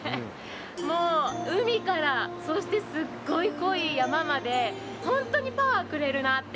もう海から、そしてすっごい濃い山まで、本当にパワーをくれるなって。